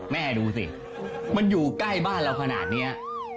แม่ดูสิมันอยู่ใกล้บ้านเราขนาดนี้